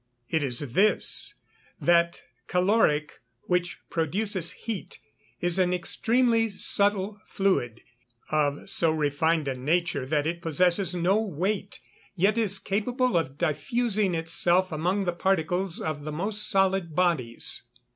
_ It is this that caloric, which produces heat, is an extremely subtile fluid, of so refined a nature that it possesses no weight, yet is capable of diffusing itself among the particles of the most solid bodies.